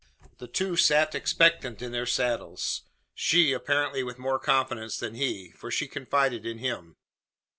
The two sat expectant in their saddles she, apparently, with more confidence than he: for she confided in him.